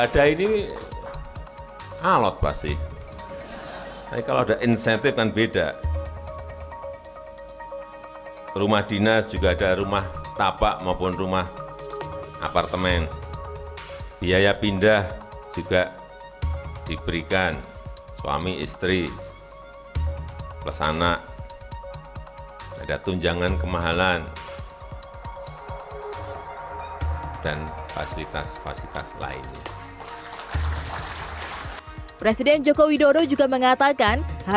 dan fasilitas fasilitas lainnya